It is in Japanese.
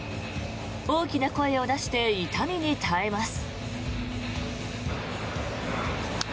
大きな声を出して痛みに耐えます。